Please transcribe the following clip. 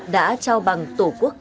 đã trao bằng tổ quốc ghi công